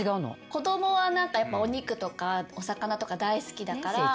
子供はやっぱお肉とかお魚とか大好きだから。